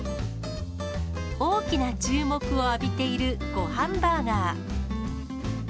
大きな注目を浴びているごはんバーガー。